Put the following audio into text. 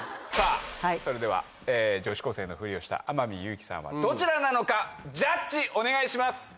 さあそれでは女子高生のフリをした天海祐希さんはどちらなのかジャッジお願いします。